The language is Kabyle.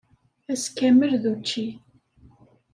Ass kamel d učči.